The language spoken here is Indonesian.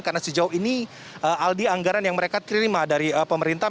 karena sejauh ini aldi anggaran yang mereka terima dari pemerintah